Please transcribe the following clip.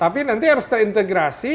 tapi nanti harus terintegrasi